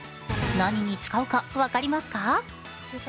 何に使うか分かりますか？